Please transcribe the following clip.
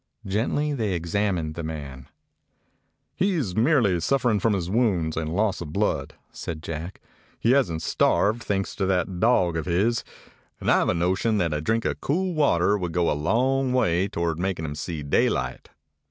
Gently they examined the man. "He is merely suffering from his wounds and loss of blood," said Jack. "He hasn't starved, thanks to that dog of his ; and I 've a notion that a drink of cool water would go a long way toward making him see daylight.